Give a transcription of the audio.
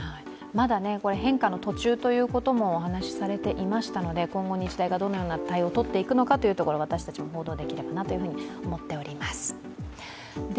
まだ変化の途中ということもお話しされていましたので、今後、日大がどのような対応を取っていくのか私たちも報道できたらなと思っております。